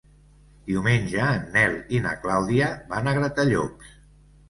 Diumenge en Nel i na Clàudia van a Gratallops.